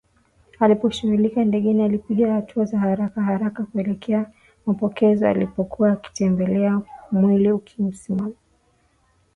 Aliposhuka ndegeni alipiga hatua za harakaharaka kuelekea mapokezi alipokuwa akitembea mwili ulkimsisimka